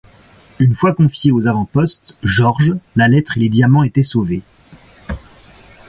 Une fois confiés aux avant-postes, George, la lettre et les diamants étaient sauvés.